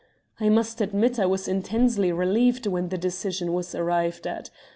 I must admit I was intensely relieved when this decision was arrived at.